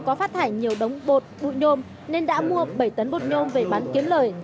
có phát thải nhiều đống bột bụi nhôm nên đã mua bảy tấn bột nhôm về bán kiếm lời